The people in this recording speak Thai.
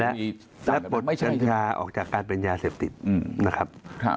และปลดกัญชาออกจากการเป็นยาเสพติดนะครับ